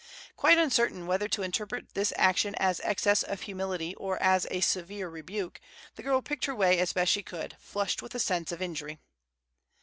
Quite uncertain whether to interpret this action as excess of humility or as a severe rebuke, the girl picked her way as best she could, flushed with a sense of injury.